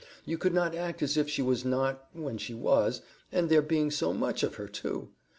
You could not act as if she was not, when she was, and there being so much of her, too.